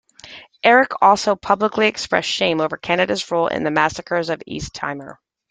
Eric also publicly expressed shame over Canada's role in the massacres of East Timor.